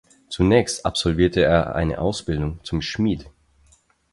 Zunächst absolvierte er eine Ausbildung zum Schmied.